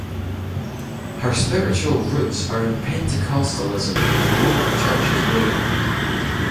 Her spiritual roots are in Pentecostalism and the local churches movement.